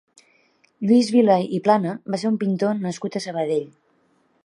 Lluís Vila i Plana va ser un pintor nascut a Sabadell.